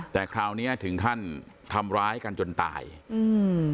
แต่คราวเนี้ยถึงขั้นทำร้ายกันจนตายอืม